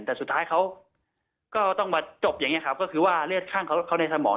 แต่สุดท้ายเขาก็ต้องมาจบอย่างนี้ครับก็คือว่าเลือดข้างเขาในสมอง